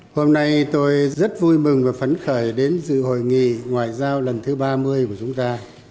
hôm nay tôi rất vui mừng và phấn khởi đến dự hội nghị ngoại giao lần thứ ba mươi của chúng ta